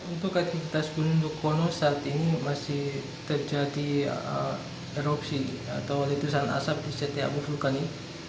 untuk aktivitas gunung lukwono saat ini masih terjadi erupsi atau letusan asap di setiap abu vulkanik